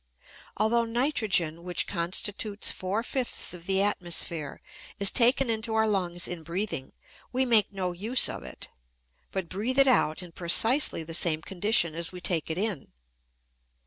Although nitrogen, which constitutes four fifths of the atmosphere, is taken into our lungs in breathing, we make no use of it, but breathe it out in precisely the same condition as we take it in.